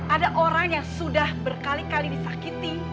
ada orang yang sudah berkali kali disakiti